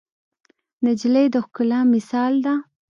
نجلۍ د ښکلا مثال ده.